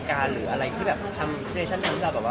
เหมือนว่าใกล้ในนี้เราไม่มีโอกาสไปเจอกับอองค์คลัวหรือว่า